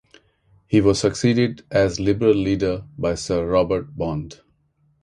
He was succeeded as Liberal leader by Sir Robert Bond.